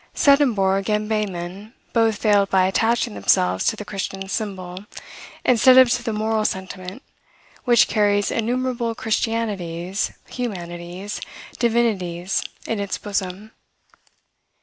Swedenborg and Behmen both failed by attaching themselves to the Christian symbol, instead of to the moral sentiment, which carries innumerable christianities, humanities, divinities, in its bosom.